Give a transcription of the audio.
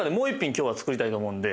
今日は作りたいと思うんで。